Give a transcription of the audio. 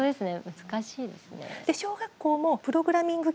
難しいですね。